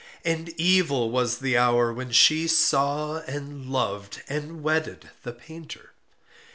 And evil was the hour when she saw, and loved, and wedded the painter.